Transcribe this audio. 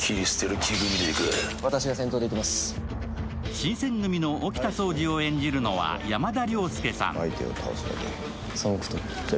新選組の沖田総司を演じるのは山田涼介さん。